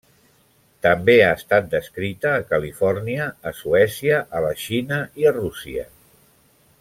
També ha estat descrita a Califòrnia, a Suècia, a la Xina i a Rússia.